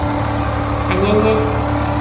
Anene.